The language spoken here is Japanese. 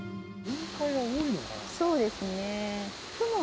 そうですね。